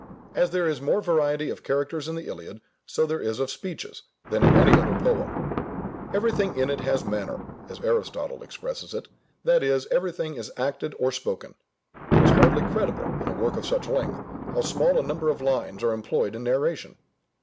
As there is more variety of characters in the Iliad, so there is of speeches, than in any other poem. "Everything in it has manner" (as Aristotle expresses it), that is, everything is acted or spoken. It is hardly credible, in a work of such length, how small a number of lines are employed in narration.